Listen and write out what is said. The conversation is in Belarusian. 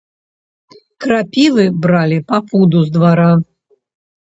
Крапівы бралі па пуду з двара.